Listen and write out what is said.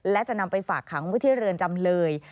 และจะนำไปฝากขังไว้ที่เรือนจำเลย